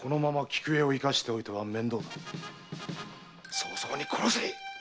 早々に殺せ！